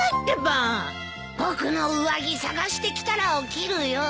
僕の上着探してきたら起きるよ。